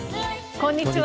こんにちは。